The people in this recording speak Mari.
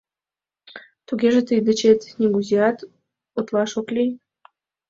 Тугеже тый дечет нигузеат утлаш ок лий?